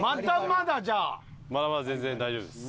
まだまだ全然大丈夫です。